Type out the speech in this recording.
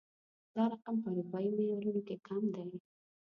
دا رقم په اروپايي معيارونو کې کم دی